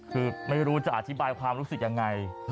คือไม่รู้จะอธิบายความรู้สึกยังไง